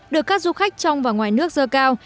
được các du khách trong và ngoài nước dơ cao